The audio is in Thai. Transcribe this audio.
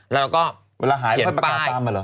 แล้วก็เขียนป้าย